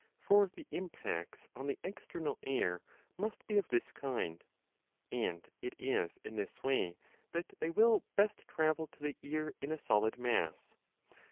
For the impacts on the external air must be of this kind, and it is in this way that they will best travel to the ear in a solid mass.